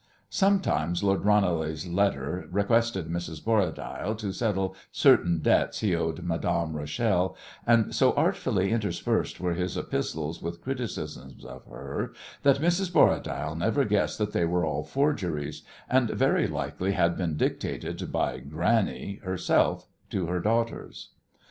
Sometimes Lord Ranelagh's letter requested Mrs. Borradaile to settle certain debts he owed Madame Rachel, and so artfully interspersed were his epistles with criticisms of her that Mrs. Borradaile never guessed that they were all forgeries, and very likely had been dictated by "granny" herself to her daughters.